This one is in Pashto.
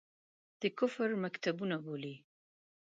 د کفر مکتبونه بولي.